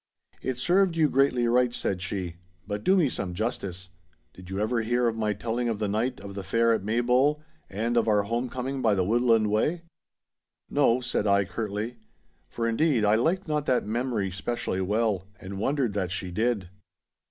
'It served you greatly right,' said she, 'but do me some justice. Did you ever hear of my telling of the night of the fair at Maybole, and of our home coming by the woodland way?' 'No,' said I, curtly. For indeed I liked not that memory specially well, and wondered that she did.